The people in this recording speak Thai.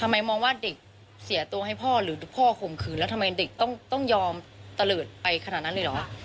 มองว่าเด็กเสียตัวให้พ่อหรือพ่อข่มขืนแล้วทำไมเด็กต้องยอมตะเลิศไปขนาดนั้นเลยเหรอ